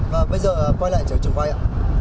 và bây giờ quay lại chờ chừng quay ạ